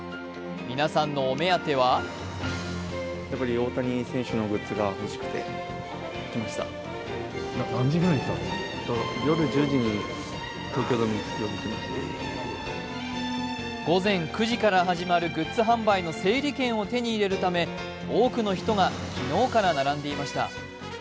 皆さんのお目当ては午前９時から始まるグッズ販売の整理券を手に入れるため多くの人が昨日から並んでいました。